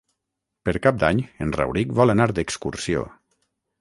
Per Cap d'Any en Rauric vol anar d'excursió.